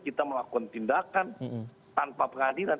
kita melakukan tindakan tanpa pengadilan